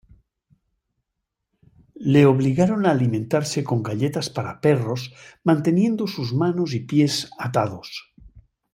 Le obligaron a alimentarse con galletas para perros manteniendo sus manos y pies atados.